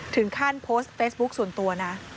ถึงขั้นโพสต์เฟซบุ๊คส่วนตัวนะ